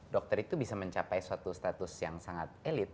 dokter itu bisa mencapai suatu status yang sangat elit